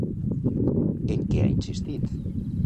I en què ha insistit?